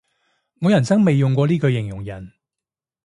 我人生未用過呢句嘢形容人